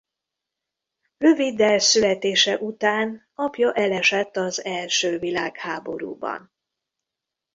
Röviddel születése után apja elesett az első világháborúban.